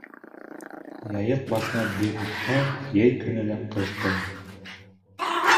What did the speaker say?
Яйыҡ башынан ел иҫһә, йәй көнө лә ҡыш була.